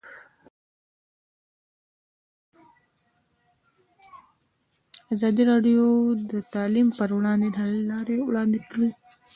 ازادي راډیو د تعلیم پر وړاندې د حل لارې وړاندې کړي.